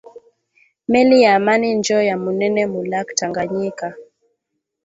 Meli ya amani njo ya munene mu lac tanganyika